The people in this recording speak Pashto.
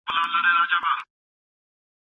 د معلوماتو ترتیب د ذهن په روښانتیا کي مرسته کوي.